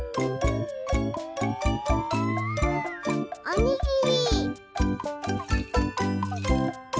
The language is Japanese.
おにぎり。